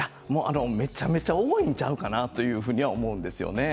めちゃめちゃ多いんちゃうかなと思います。